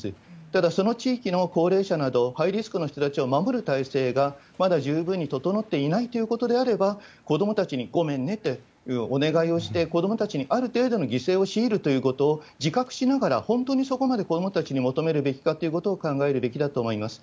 ただ、その地域の高齢者など、ハイリスクの人たちを守る体制が、まだ十分に整っていないということであれば、子どもたちにごめんねっていうお願いをして、子どもたちにある程度の犠牲を強いるということを自覚しながら、本当にそこまで子どもたちに求めるべきかということを考えるべきだと思います。